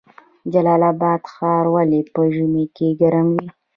جلال اباد ښار ولې په ژمي کې ګرم وي؟